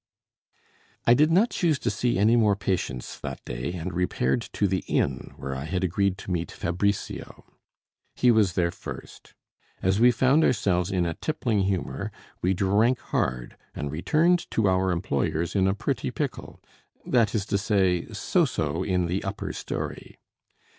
I did not choose to see any more patients that day, and repaired to the inn where I had agreed to meet Fabricio. He was there first. As we found ourselves in a tippling humor, we drank hard, and returned to our employers in a pretty pickle; that is to say, so so in the upper story.